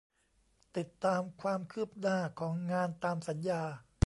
ติดตามความคืบหน้าของงานตามสัญญา